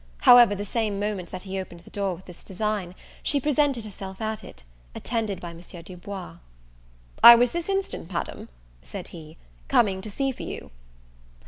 However, the same moment that he opened the door with this design, she presented herself at it, attended by Monsieur Du Bois. "I was this instant, Madam," said he, "coming to see for you."